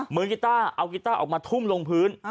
กีต้าเอากีต้าออกมาทุ่มลงพื้น